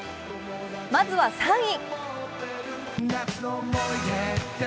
まずは３位。